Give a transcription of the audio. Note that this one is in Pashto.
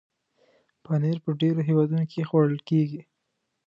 پنېر په ډېرو هېوادونو کې خوړل کېږي.